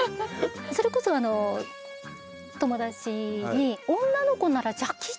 それこそ友達に。